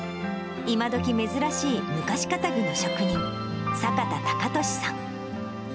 今どき珍しい昔かたぎの職人、坂田隆敏さん。